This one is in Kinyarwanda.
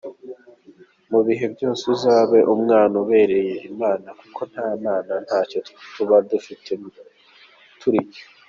Mu bihe byose uzabe umwana ubereye Imana, kuko nta Mana ntacyo tuba turi cyo.